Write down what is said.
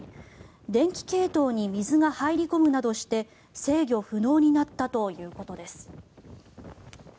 電気系統に水が入り込むなどして制御不能になったということです。